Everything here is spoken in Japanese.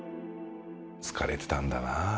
疲れてたんだな